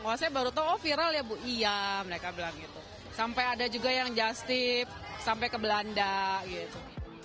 wah saya baru tahu viral ya iya mereka bilang gitu sampai ada juga yang jastip sampai ke belanda gitu